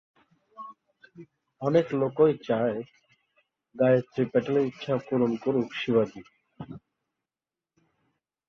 অনেক লোকই চায় গায়ত্রী প্যাটেলের ইচ্ছা পূরণ করুন শিবাজি।